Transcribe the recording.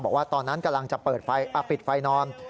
บอกว่าตอนนั้นกำลังจะเปิดปิดไฟนอน